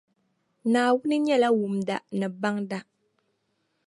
Naawuni nyɛla Wumda ni Baŋda